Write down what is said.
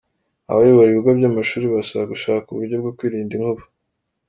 Abayobora ibigo by’amashuri barasabwa gushaka uburyo bwo kwirinda inkuba